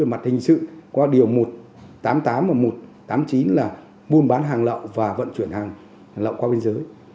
mặt hình sự qua điều một trăm tám mươi tám và một trăm tám mươi chín là buôn bán hàng lậu và vận chuyển hàng lậu qua biên giới